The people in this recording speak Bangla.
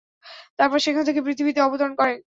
তারপর সেখান থেকে পৃথিবীতে অবতরণ করেন।